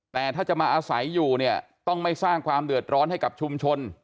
แต่ถ้าจะมาอาศัยอยู่เนี่ยต้องไม่สร้างความเดือดร้อนให้กับชุมชน